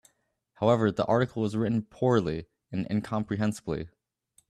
However, the article is written poorly and incomprehensibly.